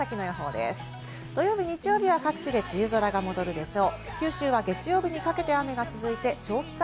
土曜日、日曜日は各地で梅雨空が戻るでしょう。